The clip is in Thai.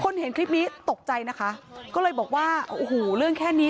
เห็นคลิปนี้ตกใจนะคะก็เลยบอกว่าโอ้โหเรื่องแค่นี้